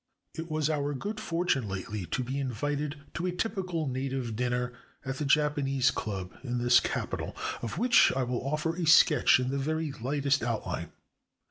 It was our good fortune lately to be invited to a typi cal native dinner at the Japanese Club in this capital, of which I will offer a sketch in the very lightest outline.